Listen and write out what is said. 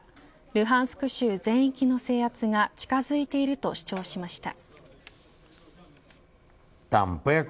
ルハンスク州全域の制圧が近づいていると主張しました。